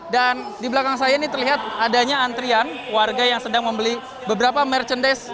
dan di belakang saya ini terlihat adanya antrian warga yang sedang membeli beberapa merchandise